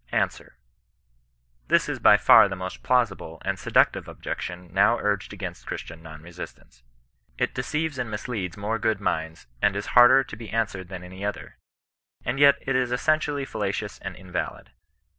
Answer. — This is by far the most plausible and se ductive objection now urged against Christian non re sistance. It deceives and misleads more good minds, and is harder to be answered than any other. And yet it is essentially fallacious and invalid.